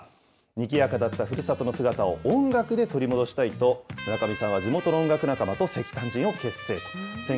にぎやかだったふるさとの姿を音楽で取り戻したいと、村上さんは地元の音楽仲間と石炭人を結成と。